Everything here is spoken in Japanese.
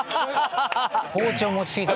包丁持ち過ぎて。